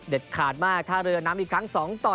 เด็ดขาดมากท่าเรือน้ำอีกครั้ง